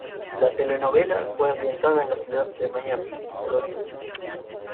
La telenovela fue ambientada en la ciudad de Miami, Florida.